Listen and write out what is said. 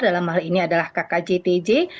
dalam hal ini adalah kkjtj